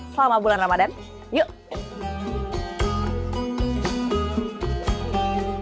selamat bulan ramadan yuk